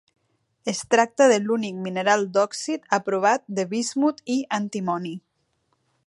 Es tracta de l'únic mineral d'òxid aprovat de bismut i antimoni.